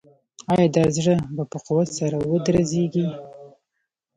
آیا دا زړه به په قوت سره ودرزیږي؟